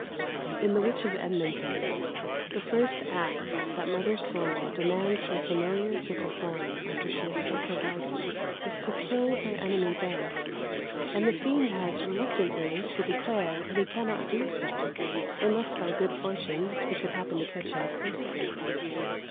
In "The Witch of Edmonton," the first act that Mother Sawyer demands her familiar to perform after she has struck her bargain, is to kill her enemy Banks; and the fiend has reluctantly to declare that he cannot do so unless by good fortune he could happen to catch him cursing.